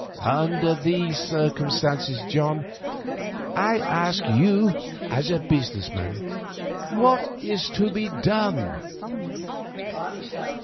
Under these circumstances, John, I ask you as a business man, what is to be done?"